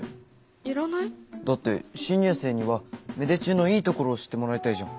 だって新入生には芽出中のいいところを知ってもらいたいじゃん。